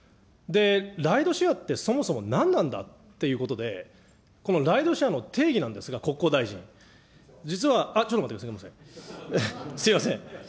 ライドシェアってそもそもなんなんだということで、このライドシェアの定義なんですが、国交大臣、実は、ちょっと待ってください、すみません。